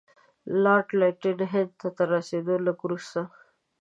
لارډ لیټن هند ته تر رسېدلو لږ وروسته.